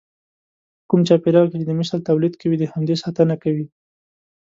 په کوم چاپېريال کې چې د مثل توليد کوي د همدې ساتنه کوي.